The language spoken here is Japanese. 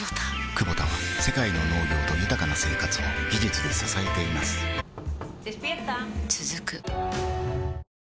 クボタは世界の農業と豊かな生活を技術で支えています起きて。